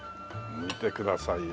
見てくださいよ。